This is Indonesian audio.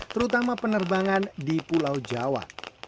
terutama penerbangan di pulau jawa